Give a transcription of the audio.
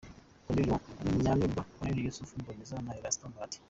Colonel Léon Kanyamibwa, Col. Yusuf Mboneza na Erasto Bahati.